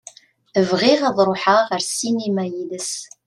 Bɣiɣ ad ṛuḥeɣ ar ssinima yid-s.